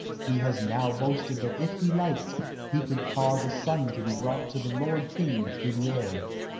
He has now boasted that if he liked, he could cause a son to be brought to the Lord king through the air."